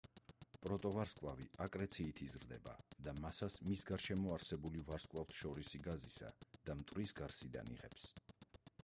პროტოვარსკვლავი აკრეციით იზრდება და მასას მის გარშემო არსებული ვარსკვლავთშორისი გაზისა და მტვრის გარსიდან იღებს.